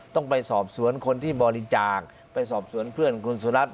ต้องไปสอบสวนคนที่บริจาคไปสอบสวนเพื่อนคุณสุรัตน